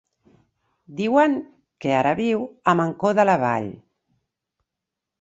Diuen que ara viu a Mancor de la Vall.